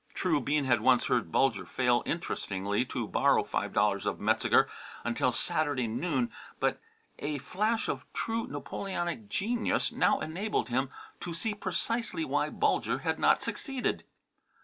True, Bean had once heard Bulger fail interestingly to borrow five dollars of Metzeger until Saturday noon, but a flash of true Napoleonic genius now enabled him to see precisely why Bulger had not succeeded.